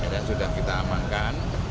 dan sudah kita amankan